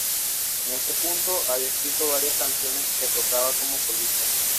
En este punto, había escrito varias canciones que tocaba como solista.